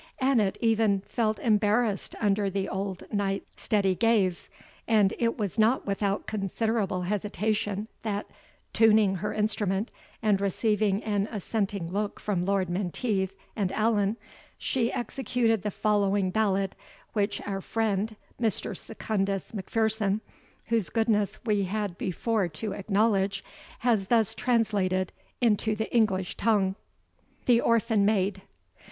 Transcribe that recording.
Annot even felt embarrassed under the old knight's steady gaze; and it was not without considerable hesitation, that, tuning her instrument, and receiving an assenting look from Lord Menteith and Allan, she executed the following ballad, which our friend, Mr. Secundus M'Pherson, whose goodness we had before to acknowledge, has thus translated into the English tongue: THE ORPHAN MAID.